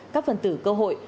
các phần tử cơ hội